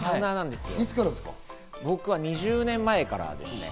いつからで僕は２０年前からですね。